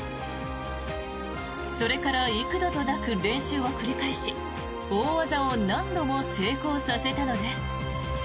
それから幾度となく練習を繰り返し大技を何度も成功させたのです。